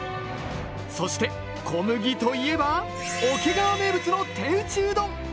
そして小麦といえば桶川名物の手打ちうどん！